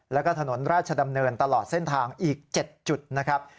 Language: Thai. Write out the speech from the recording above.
แล้วก็ถนนราชดำเนินตลอดเส้นทางอีก๗จุดนะครับ